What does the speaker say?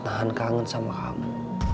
tahan kangen sama kamu